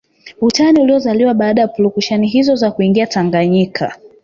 Utani uliozaliwa baada ya purukushani hizo za kuingia Tanganyika